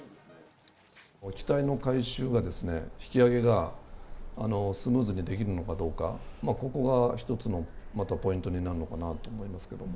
機体の回収が、引き揚げがスムーズにできるのかどうか、ここが１つのまたポイントになるのかなと思いますけども。